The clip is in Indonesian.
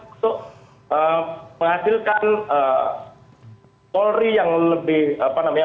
untuk menghasilkan polri yang lebih baik